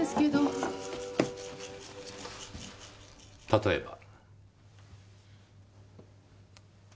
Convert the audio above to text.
例えば。